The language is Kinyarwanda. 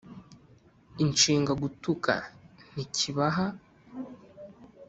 Inshinga gutuka ntikibaha